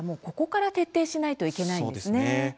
ここから徹底しないといけないですね。